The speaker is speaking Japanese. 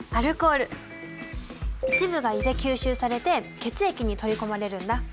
一部が胃で吸収されて血液に取り込まれるんだ。